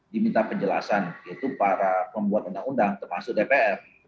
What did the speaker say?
diminta penjelasan yaitu para pembuat undang undang termasuk dpr